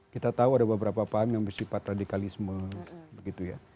kita tahu ada beberapa paham yang bersifat radikalisme begitu ya